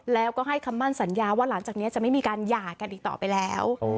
แล้วก็ให้คำมั่นสัญญาว่าหลังจากนี้จะไม่มีการหย่ากันอีกต่อไปแล้ว